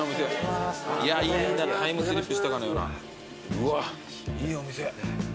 うわいいお店。